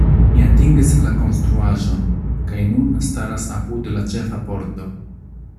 Mi atingis la konstruaĵon, kaj nun staras apud la ĉefa pordo.